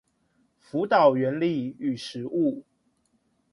輔導原理與實務